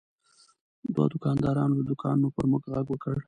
دوه دوکاندارانو له دوکانونو پر موږ غږ وکړ.